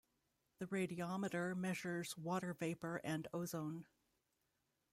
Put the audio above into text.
The radiometer measures water vapor and ozone.